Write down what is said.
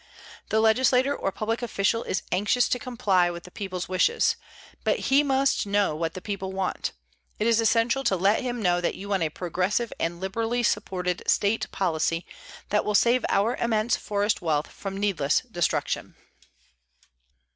The legislator or public official is anxious to comply with the people's wishes, but he must know what the people want. It is essential to let him know that you want a progressive and liberally supported state policy that will save our immense forest wealth from needless destruction.